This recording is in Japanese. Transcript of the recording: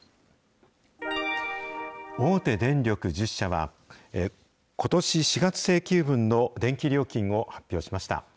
大手電力１０社は、ことし４月請求分の電気料金を発表しました。